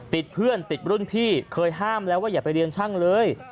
ติดเพื่อนติดรุ่นพี่เคยห้ามแล้วว่าอย่าไปเรียนช่างเลย